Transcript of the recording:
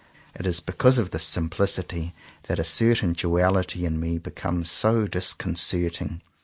It is because of this simplicity that a certain duality in me becomes so disconcerting.